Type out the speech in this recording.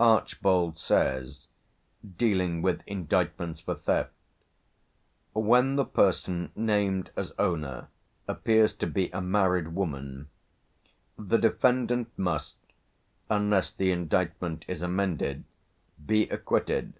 Archbold says dealing with indictments for theft "Where the person named as owner appears to be a married woman, the defendant must, unless the indictment is amended, be acquitted...